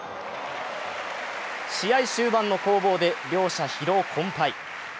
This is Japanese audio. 試合終盤の攻防で両者、疲労困ぱい。